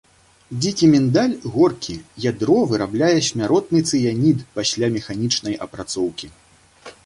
Дзікі міндаль горкі, ядро вырабляе смяротны цыянід пасля механічнай апрацоўкі.